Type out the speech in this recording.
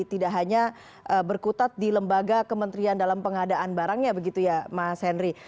tidak hanya berkutat di lembaga kementerian dalam pengadaan barangnya begitu ya mas henry